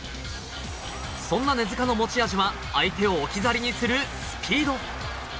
そんな根塚の持ち味は相手を置き去りにするスピード。